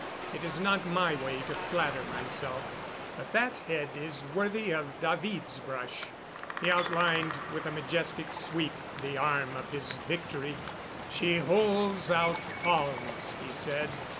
It is not my way to flatter myself; but that head is worthy of David's brush." He outlined with a majestic sweep the arm of his Victory. "She holds out palms," he said.